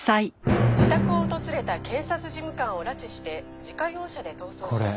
「自宅を訪れた検察事務官を拉致して自家用車で逃走しました」